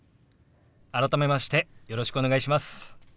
改めましてよろしくお願いします。